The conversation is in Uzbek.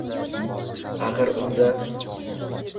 Axir, unda